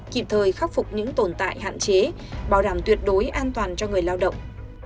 kịp thời khắc phục những tồn tại hạn chế bảo đảm tuyệt đối an toàn cho người lao động